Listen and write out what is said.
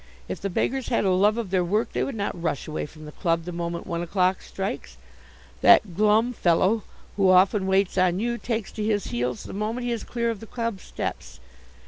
If the beggars had a love of their work, they would not rush away from the club the moment one o'clock strikes. That glum fellow who often waits on you takes to his heels the moment he is clear of the club steps.